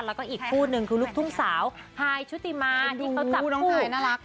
แล้วก็อีกคู่นึงคือลูกทุ่งสาวไฮชุติมานี่เขาจับคู่น้องไทยน่ารัก